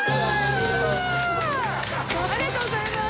ありがとうございます！